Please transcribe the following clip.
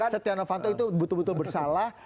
setia novanto itu betul betul bersalah